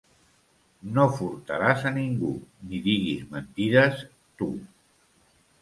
No furtaràs a ningú, ni diguis mentides tu.